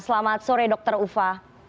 selamat sore dr ufa